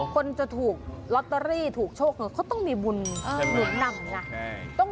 คนจะถูกลอตเตอรี่ถูกโชคต้องมีบุญหนึ่งหนัง